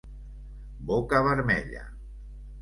Boca vermella.